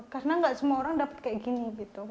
karena nggak semua orang dapat kayak gini